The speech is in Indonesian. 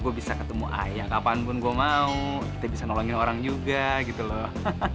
gua bisa ketemu ayah kapan pun gua mau kita bisa nolongin orang juga gitu loh